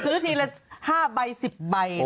ซื้อก่อนซื้อ๕ใบ๑๐ใบ